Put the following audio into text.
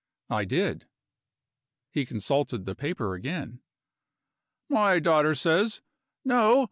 "I did." He consulted the paper again. "My daughter says No!